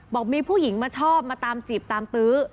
บอกมีผู้หญิงมาชอบมาตามจีบตามตื้อ